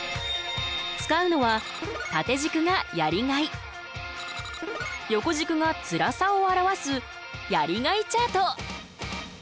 使うのは縦軸がやりがい横軸がつらさを表すやりがいチャート。